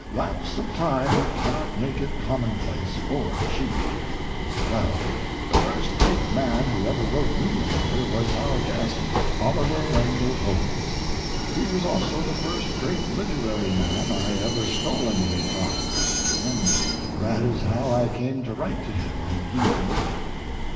Lapse of time cannot make it commonplace or cheap. Well, the first great man who ever wrote me a letter was our guest—Oliver Wendell Holmes. He was also the first great literary man I ever stole anything from—and that is how I came to write to him and he to me.